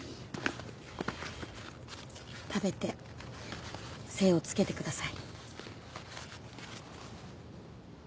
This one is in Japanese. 食べて精をつけてください。